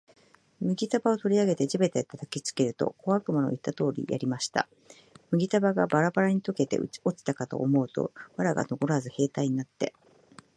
麦束を取り上げて地べたへ叩きつけると、小悪魔の言った通りやりました。麦束がバラバラに解けて落ちたかと思うと、藁がのこらず兵隊になって、